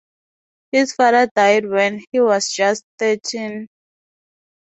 His father died when he was just thirteen.